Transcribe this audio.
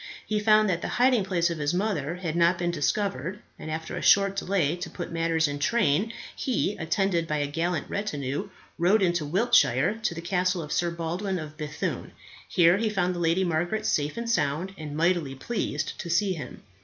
He found that the hiding place of his mother had not been discovered, and, after a short delay to put matters in train, he, attended by a gallant retinue, rode into Wiltshire to the castle of Sir Baldwin of B‚thune. Here he found the Lady Margaret safe and sound, and mightily pleased to see him.